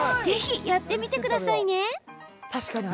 ぜひ、やってみてくださいね。